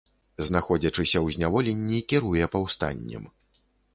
Знаходзячыся ў зняволенні, кіруе паўстаннем.